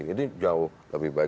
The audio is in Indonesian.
ini jauh lebih baik